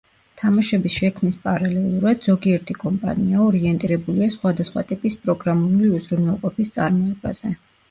თამაშების შექმნის პარალელურად, ზოგიერთი კომპანია ორიენტირებულია სხვადასხვა ტიპის პროგრამული უზრუნველყოფის წარმოებაზე.